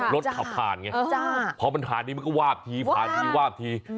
รถขับผ่านไงเพราะปัญหาดีมันก็วาบทีวาบทีวาบที